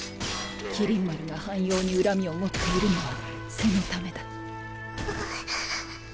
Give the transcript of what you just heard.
麒麟丸が半妖に恨みを持っているのはそのためだああっ